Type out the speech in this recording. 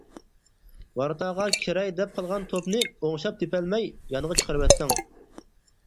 ۋاراتاغا كىرەي دەپ قالغان توپنى ئوڭشاپ تېپەلمەي يانغا چىقىرىۋەتتىڭ.